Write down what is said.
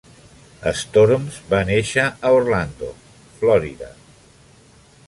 Storms va néixer a Orlando, Florida.